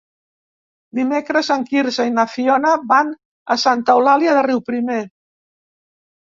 Dimecres en Quirze i na Fiona van a Santa Eulàlia de Riuprimer.